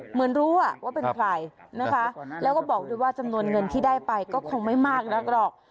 เหมือนรู้ว่าเป็นใครนะคะแล้วก็บอกด้วยว่าจำนวนเงินที่ได้ไปก็คงไม่มากนักหรอก